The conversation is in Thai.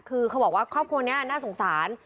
คือเขาบอกว่าครอบครัวนี้น่าสงสาร